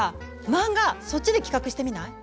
漫画そっちで企画してみない？